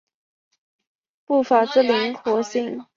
步法之灵活性。